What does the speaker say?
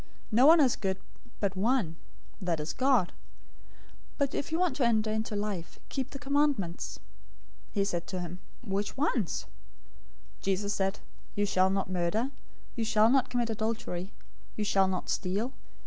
No one is good but one, that is, God. But if you want to enter into life, keep the commandments." 019:018 He said to him, "Which ones?" Jesus said, "'You shall not murder.' 'You shall not commit adultery.' 'You shall not steal.'